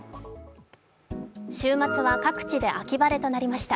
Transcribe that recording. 週末は各地で秋晴れとなりました。